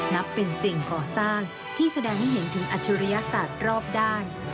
นับเป็นสิ่งก่อสร้างที่แสดงให้เห็นถึงอัจฉริยศาสตร์รอบด้าน